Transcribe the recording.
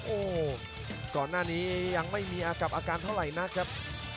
โอ้ก่อนหน้านี้ยังไม่มีอาการเท่าไหร่นะครับ